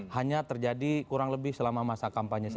hanya terjadi kurang lebih selama masa kampanye